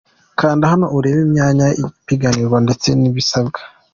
Kanda hano urebe imyanya ipiganirwa ndetse n’ibisabwa :.